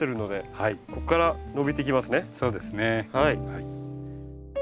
はい。